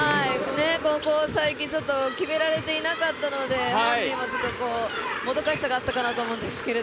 ここ最近決められてなかったので本人はもどかしさがあったかなと思うんですが。